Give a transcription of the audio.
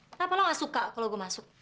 kenapa lo gak suka kalau gue masuk